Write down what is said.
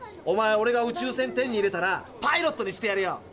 おまえオレが宇宙船手に入れたらパイロットにしてやるよ。